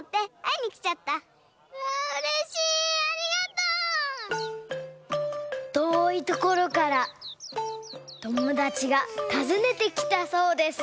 とおいところからともだちがたずねてきたそうです。